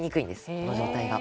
この状態が。